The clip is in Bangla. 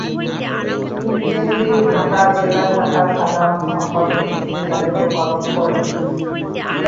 তিনি বিএনপির ঢাকা জেলা শাখার সাধারণ সম্পাদক হিসেবে দায়িত্ব পালন করেন।